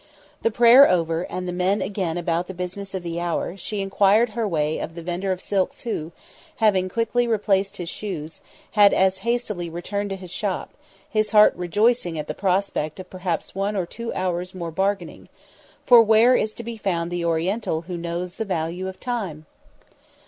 The prayer over, and the men again about the business of the hour, she enquired her way of the vendor of silks who, having quickly replaced his shoes, had as hastily returned to his shop, his heart rejoicing at the prospect of perhaps one or two hours' more bargaining for where is to be found the Oriental who knows the value of time?